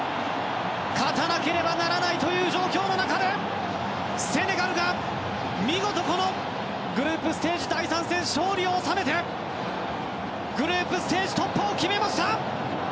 勝たなければならない状況の中セネガルが見事グループステージ第３戦で勝利を収めてグループステージ突破を決めました！